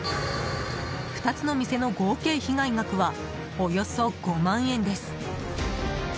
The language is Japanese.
２つの店の合計被害額はおよそ５万円です。